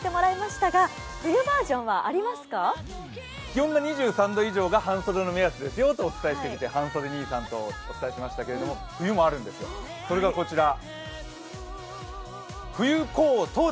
気温が２３度以上が半袖の目安ですよとお伝えしていて、半袖兄さんとお伝えしましたけれども、冬もあるんですよ、それがこちら。